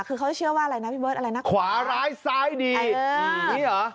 คือเขาจะเชื่อว่าอะไรนะพี่เบิร์ตอะไรนะคะขวาร้ายซ้ายดีเอออย่างนี้เหรอ